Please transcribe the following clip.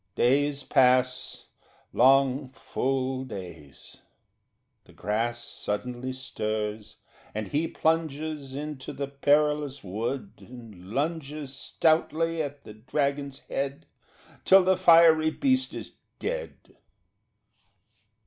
Days pass, Long full days... The grass Suddenly stirs, and he plunges Into the perilous wood and lunges Stoutly at the dragon's head Till the fiery beast is dead...